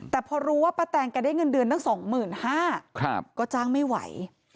แต่พอรู้ว่าป้าแตงแกได้เงินเดือนตั้ง๒๕๐๐ก็จ้างไม่ไหว